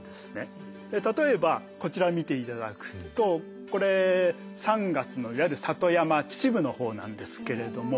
例えばこちらを見て頂くとこれ３月のいわゆる里山秩父のほうなんですけれども。